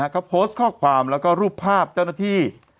เขาโพสต์ข้อความแล้วก็รูปภาพเจ้าหน้าที่